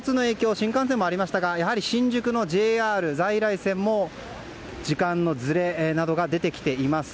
新幹線もありましたが新宿のＪＲ在来線も時間のずれなどが出てきています。